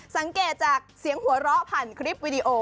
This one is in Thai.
สังเกตจากเสียงหัวเราะผ่านคลิปวิดีโอ